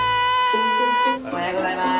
おはようございます。